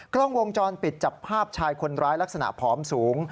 กล้องวงจรปิดจับภาพชายคนร้ายลักษณะผอมสูง